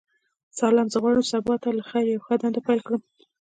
سلام ،زه غواړم چی سبا ته لخیر یوه ښه دنده پیل کړم.